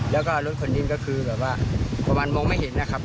แล้วก็รถขนดินก็คือแบบว่าประมาณมองไม่เห็นนะครับ